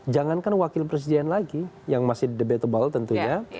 jangankan wakil presiden lagi yang masih debatable tentunya